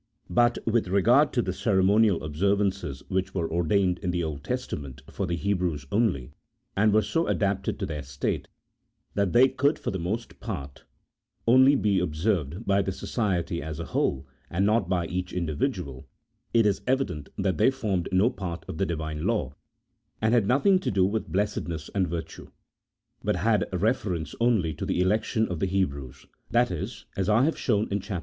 But with regard to the ceremonial observances which were ordained in the Old Testament for the Hebrews only, and were so adapted to their state that they could for the most part only be observed by the society as a whole and not by each individual, it is evident that they formed no part of the Divine law, and had nothing to do with blessed ness and virtue, but had reference only to the election of the Hebrews, that is (as I have shown in Chap.